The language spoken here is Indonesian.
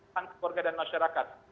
kekeluarga dan masyarakat